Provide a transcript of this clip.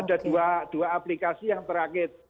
ada dua aplikasi yang terakhir